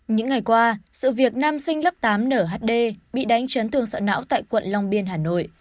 những ngày qua sự việc nam sinh lớp tám nhd bị đánh chấn thương sọ não tại quận long biên hà nội